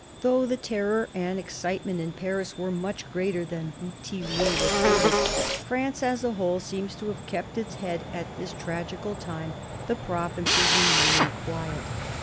Though the terror and excitement in Paris were much greater than Bouthillier reported, France, as a whole, seems to have kept its head at this tragical time, the provinces remaining quiet.